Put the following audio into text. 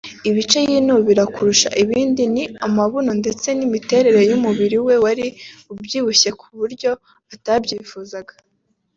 Ibice yinubiraga kurusha ibindi ni amabuno ndetse n’imiterere y’umubiri we wari ubyibushye ku buryo atabyifuzaga